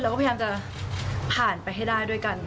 พยายามจะผ่านไปให้ได้ด้วยกัน